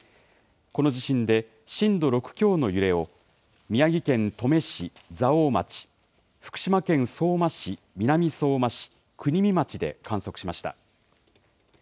この地震で震度６強の揺れを宮城県登米市、蔵王町、福島県相馬市、南相馬市、国見町で観測しました。